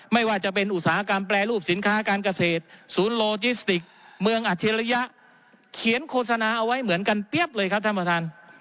ไม่ว่าจะเป็นอุตสาหกรรมแปรรูปสินค้าการเกษตรศูนย์โลจิสติกเมืองอาชิริยะเขียนโฆษณาเอาไว้เหมือนกันเปรี้ยบเลยครับท่านประธาน